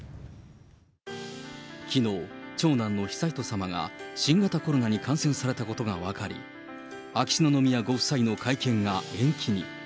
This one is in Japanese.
きのう、長男の悠仁さまが、新型コロナに感染されたことが分かり、秋篠宮ご夫妻の会見が延期に。